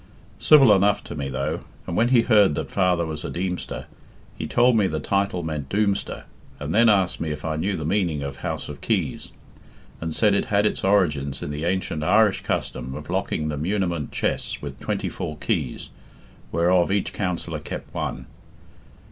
Civil enough to me though, and when he heard that father was a Deemster, he told me the title meant Doomster, and then asked me if I knew the meaning of 'House of Keys,' and said it had its origin in the ancient Irish custom of locking the muniment chests with twenty four keys, whereof each counsellor kept one.